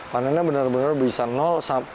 panennya benar benar bisa